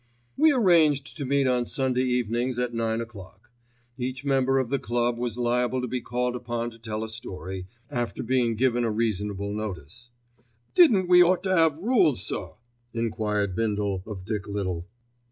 We arranged to meet on Sunday evenings at nine o'clock. Each member of the Club was liable to be called upon to tell a story, after being given a reasonable notice. "Didn't we ought to 'ave rules, sir," enquired Bindle of Dick Little.